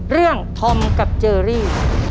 เรื่องธอมกับเจอรี่